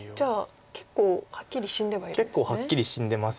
結構はっきり死んでます。